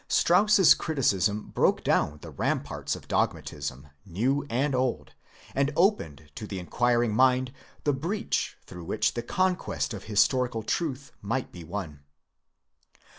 Strauss's criticism broke down the ramparts of dogmatism, new and old, and opened to the inquiring mind the breach through which the conquest of historical truth might be won.